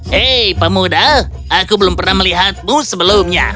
hei pemuda aku belum pernah melihatmu sebelumnya